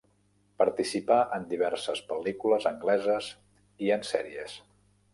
Participà en diverses pel·lícules angleses i en sèries.